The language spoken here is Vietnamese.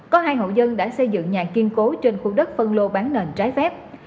có hai hộ dân đã xây dựng nhà kiên cố trên khu đất phân lô bán nền trái phép